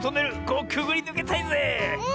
ここくぐりぬけたいぜえ！